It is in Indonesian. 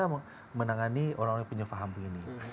kita menangani orang orang yang punya paham begini